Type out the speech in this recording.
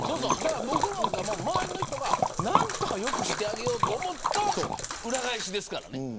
僕なんかも周りの人が何とかよくしてあげようと思った裏返しですから。